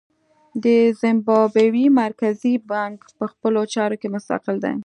د زیمبابوې مرکزي بانک په خپلو چارو کې مستقل دی.